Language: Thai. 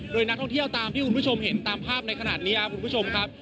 โดยนักท่องเที่ยวตามที่คุณผู้ชมเห็นตามภาพในขณะนี้ครับคุณผู้ชมครับ